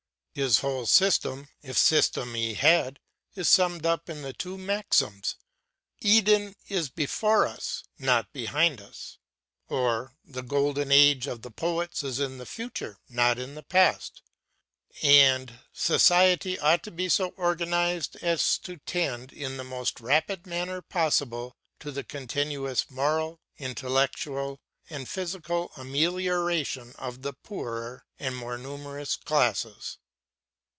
His whole system, if system he had, is summed up in the two maxims "Eden is before us, not behind us" (or the Golden Age of the poets is in the future, not in the past), and "Society ought to be so organized as to tend in the most rapid manner possible to the continuous moral, intellectual, and physical amelioration of the poorer and more numerous classes."